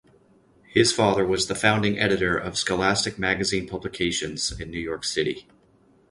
His father was the founding editor of Scholastic Magazine Publications in New York City.